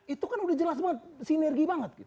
itu kan udah jelas banget sinergi banget